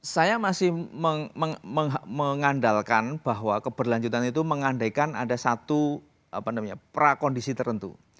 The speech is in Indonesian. saya masih mengandalkan bahwa keberlanjutan itu mengandaikan ada satu prakondisi tertentu